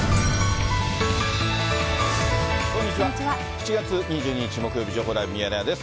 ７月２２日木曜日、情報ライブミヤネ屋です。